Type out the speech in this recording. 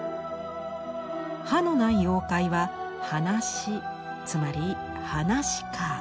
歯のない妖怪は「歯なし」つまり「はなし家」。